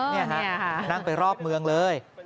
นี่ฮะนั่งไปรอบเมืองเลย